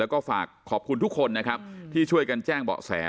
แล้วก็ฝากขอบคุณทุกคนนะครับที่ช่วยกันแจ้งเบาะแส